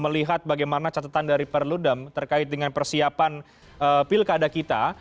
melihat bagaimana catatan dari perludem terkait dengan persiapan pilkada kita